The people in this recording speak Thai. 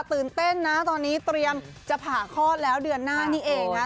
ตื่นเต้นนะตอนนี้เตรียมจะผ่าคลอดแล้วเดือนหน้านี่เองนะ